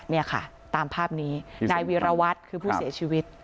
นี่ค่ะตามภาพนี้นายวีรวัตรคือผู้เสียชีวิต